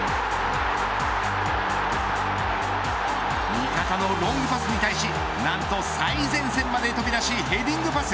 味方のロングパスに対し何と最前線まで飛び出しヘディングパス。